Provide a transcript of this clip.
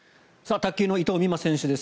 卓球の伊藤美誠選手です。